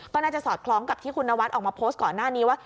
ก็น่าจะสอดคล้องกับที่คุณนวัดออกมาโพสต์ก่อนหน้านี้ว่า